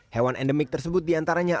hewan endemik tersebut diantaranya